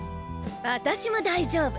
私も大丈夫！